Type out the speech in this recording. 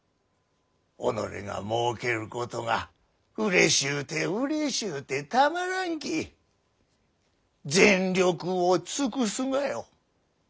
己がもうけることがうれしゅうてうれしゅうてたまらんき全力を尽くすがよ。